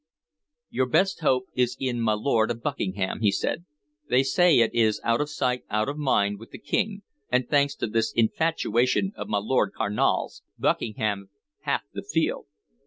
"Your best hope is in my Lord of Buckingham," he said. "They say it is out of sight, out of mind, with the King, and, thanks to this infatuation of my Lord Carnal's, Buckingham hath the field.